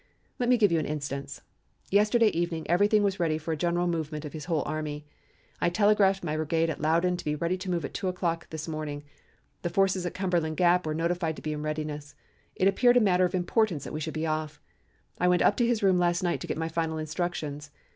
Let me give you an instance. Yesterday evening everything was ready for a general movement of his whole army. I telegraphed my brigade at Loudon to be ready to move at two o'clock this morning; the forces at Cumberland Gap were notified to be in readiness; it appeared a matter of importance that we should be off. I went up to his room last night to get my final instructions.